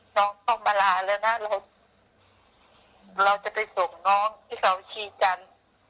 น้องฟอสมาร้าแล้วนะเราจะไปส่งน้องที่เค้าชีจรรย์